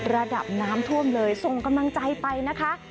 ระดับน้ำท่วมเลยส่งกำลังใจไปนะคะ